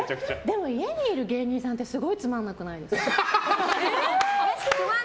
でも、家にいる芸人さんってすごいつまんなくないですか。